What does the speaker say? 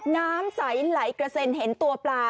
น้ำใสไหลกระเซ็นเห็นตัวปลา